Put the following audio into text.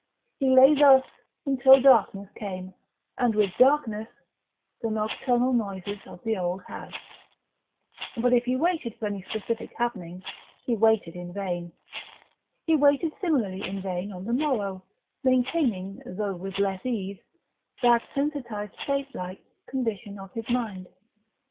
He lay thus until darkness came, and, with darkness, the nocturnal noises of the old house.... But if he waited for any specific happening, he waited in vain. He waited similarly in vain on the morrow, maintaining, though with less ease, that sensitised plate like condition of his mind.